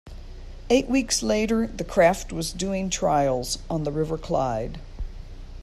Eight weeks later the craft was doing trials on the River Clyde.